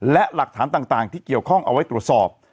และหลักฐานต่างที่เกี่ยวข้องเอาไว้ตรวจสอบ